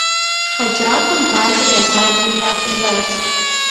Хьэджафэм Бажэр ялъагъури ирахужьащ.